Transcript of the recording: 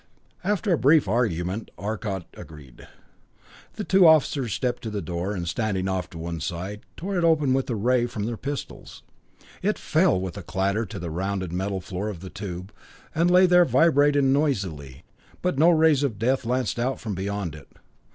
After a brief argument Arcot agreed. The two officers stepped to the door, and standing off to one side, tore it open with a ray from their pistols. It fell with a clatter to the rounded metal floor of the tube, and lay there vibrating noisily, but no rays of death lanced out from beyond it.